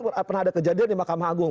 pernah ada kejadian di mahkamah agung